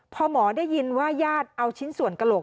พอหมอได้ยินว่าญาติเอาชิ้นส่วนกระโหลก